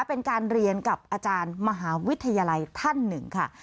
เป็นการเรียนกับอาจารย์มหาวิทยาลัยท่านหนึ่งค่ะ